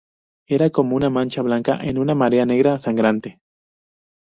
Eran como una mancha blanca en una marea negra sangrante.